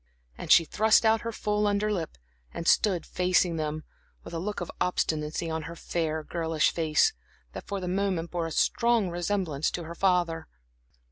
And she thrust out her full under lip, and stood facing them, with a look of obstinacy on her fair, girlish face, that for the moment bore a strong resemblance to her father.